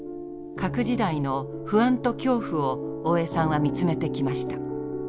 核時代の不安と恐怖を大江さんは見つめてきました。